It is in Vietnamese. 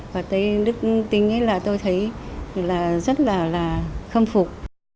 và tới đức tính tôi thấy rất là khâm phục